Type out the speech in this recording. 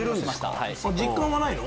実感はないの？